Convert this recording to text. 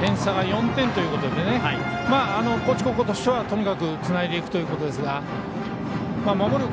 点差は４点ということで高知高校としては、とにかくつないでいくということですが守る